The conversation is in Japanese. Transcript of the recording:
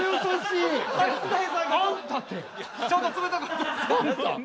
ちょっと冷たかったですよね。